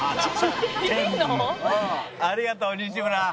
ありがとう西村。